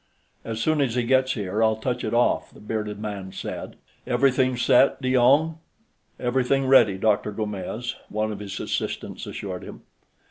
"As soon as he gets here, I'll touch it off," the bearded man said. "Everything set, de Jong?" "Everything ready, Dr. Gomes," one of his assistants assured him.